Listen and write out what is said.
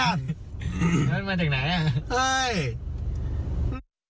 มันมาจากไหนอ่ะ